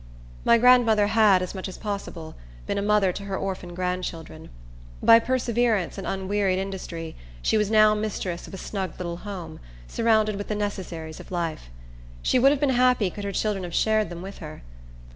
My grandmother had, as much as possible, been a mother to her orphan grandchildren. By perseverance and unwearied industry, she was now mistress of a snug little home, surrounded with the necessaries of life. She would have been happy could her children have shared them with her.